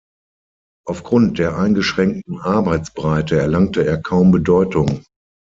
Aufgrund der eingeschränkten Arbeitsbreite erlangte er kaum Bedeutung.